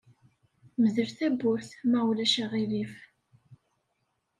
Mdel tawwurt, ma ulac aɣilif.